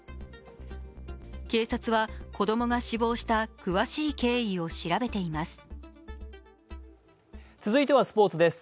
警察は子供が死亡した詳しい経緯を調べています。